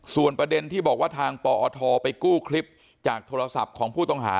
ส่วนประเด็นที่บอกว่าทางปอทไปกู้คลิปจากโทรศัพท์ของผู้ต้องหา